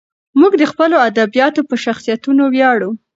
موږ د خپلو ادیبانو په شخصیتونو ویاړو.